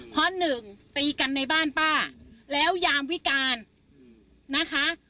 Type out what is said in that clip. เพราะหนึ่งตีกันในบ้านป้าแล้วยามวิการนะคะ